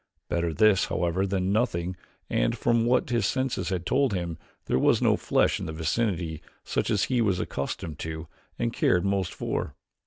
Better this, however, than nothing and from what his senses had told him there was no flesh in the vicinity such as he was accustomed to and cared most for.